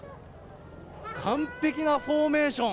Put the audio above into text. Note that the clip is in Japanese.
完璧なフォーメーション。